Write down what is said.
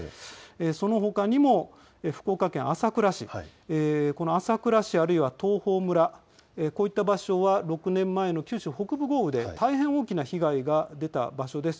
そのほかにも福岡県朝倉市、この朝倉市あるいは東峰村こういった場所は６年前の九州北部豪雨で大変大きな被害が出た場所です。